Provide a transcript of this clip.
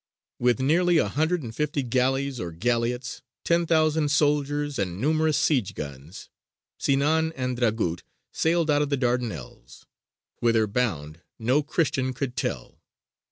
With nearly a hundred and fifty galleys or galleots, ten thousand soldiers, and numerous siege guns, Sinān and Dragut sailed out of the Dardanelles whither bound no Christian could tell.